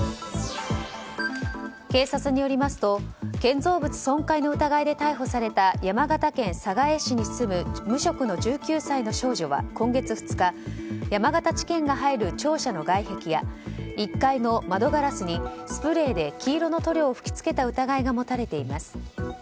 警察によりますと建造物損壊の疑いで逮捕された山形県寒河江市に住む無職の１９歳の少女は今月２日、山形地検が入る庁舎の外壁や１階の窓ガラスにスプレーで黄色の塗料を吹き付けた疑いが持たれています。